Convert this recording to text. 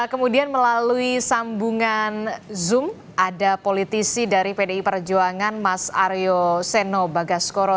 kemudian melalui sambungan zoom ada politisi dari pdi perjuangan mas aryo seno bagaskoro